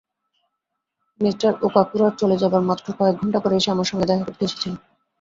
Me ওকাকুরার চলে যাবার মাত্র কয়েক ঘণ্টা পরেই সে আমার সঙ্গে দেখা করতে এসেছিল।